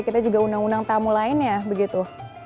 kita juga undang undang tamu lainnya begitu